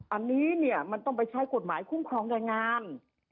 อันนี้เนี่ยมันต้องไปใช้กฎหมายคุ้มครองแรงงาน